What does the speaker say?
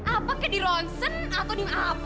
apakah di roysen atau di apa